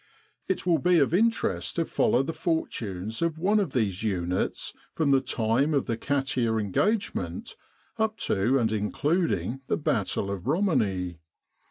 It will be of interest to follow the fortunes of one of these units from the time of the Katia engagement up to and including the battle of Romani.